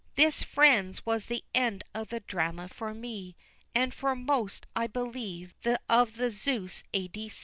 This, friends, was the end of the drama for me, And for most, I believe, of the Zeus A.